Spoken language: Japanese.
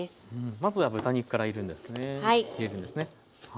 まずは豚肉から入れるんですね。